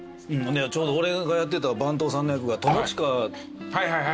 ちょうど俺がやってた番頭さんの役が。